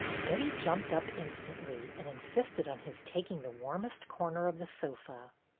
Betty jumped up instantly and insisted on his taking the warmest corner of the sofa.